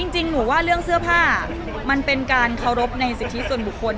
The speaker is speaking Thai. จริงหนูว่าเรื่องเสื้อผ้ามันเป็นการเคารพในสิทธิส่วนบุคคล